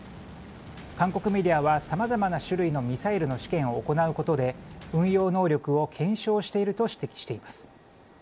韓国メディアは、さまざまな種類のミサイルの試験を行うことで、運用能力を検証していると指摘しています。